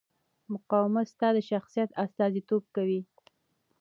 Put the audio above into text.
مقاومت ستا د شخصیت استازیتوب کوي.